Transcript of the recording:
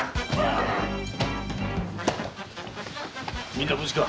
みんな無事か？